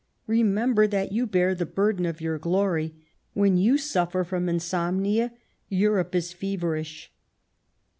Remember that you bear the burden of your glory ; when you suffer from insomnia, Europe is feverish."